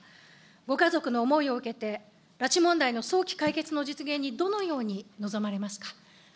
ご家族の思いを受けて、拉致問題の早期解決の実現にどのように臨まれますか。